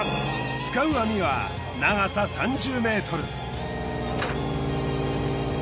使う網は長さ３０ｍ。